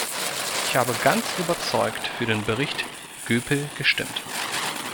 Ich habe ganz überzeugt für den Bericht Goepel gestimmt.